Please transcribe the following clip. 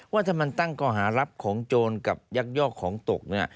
ว่าถ้ามันตั้งก่อหารับของโจรกับยักยอกของตกเนี่ย